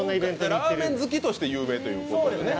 ラーメン好きとして有名と言うことですね？